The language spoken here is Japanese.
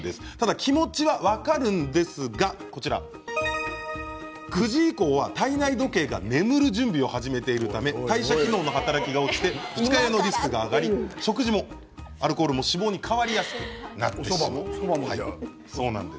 気持ちは分かるんですが９時以降は体内時計が眠る準備を始めているため代謝機能の働きが落ちて二日酔いのリスクが上がり食事も脂肪に変わりやすくなってしまいます。